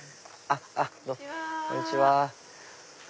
あっこんにちは。